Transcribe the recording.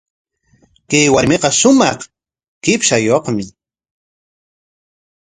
Chay warmiqa shumaq qipshayuqmi.